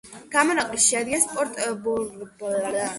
გამონაკლისს შეადგენს პორტ-მორზბი.